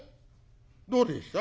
「どうでした？」。